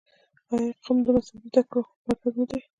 آیا قم د مذهبي زده کړو مرکز نه دی؟